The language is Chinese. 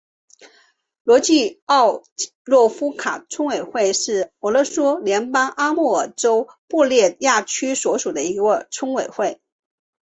罗季奥诺夫卡村委员会是俄罗斯联邦阿穆尔州布列亚区所属的一个村委员会。